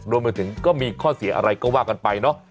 รวมไปถึงก็มีข้อเสียอะไรก็ว่ากันไปเนอะ